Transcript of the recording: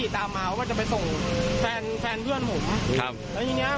ตรงความเถ่อใส่ที่พ่อเบียดอะ